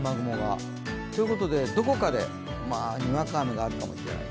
ということで、どこかでにわか雨があるかもしれない。